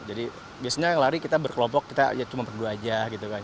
jadi biasanya yang lari kita berkelompok kita ya cuma berdua aja gitu kan